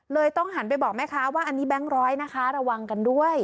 ต้องหันไปบอกแม่ค้าว่าอันนี้แบงค์ร้อยนะคะระวังกันด้วย